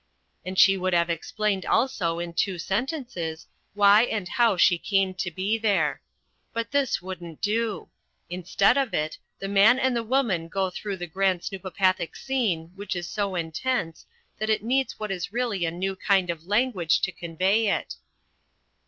And she would have explained also in two sentences why and how she came to be there. But this wouldn't do. Instead of it, The Man and The Woman go through the grand snoopopathic scene which is so intense that it needs what is really a new kind of language to convey it.